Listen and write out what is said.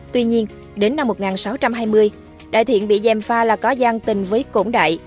tuy nhiên đến năm một nghìn sáu trăm hai mươi đại thiện bị dèm pha là có gian tình với cổng đại